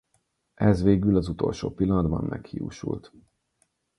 Ez végül az utolsó pillanatban meghiúsult.